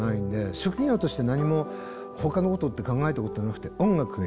職業として何もほかのことって考えたことはなくて音楽をやる。